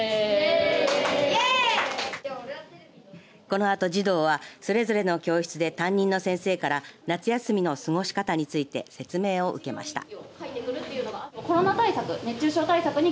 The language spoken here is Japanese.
このあと児童はそれぞれの教室で担任の先生から夏休みの過ごし方について説明を受けました。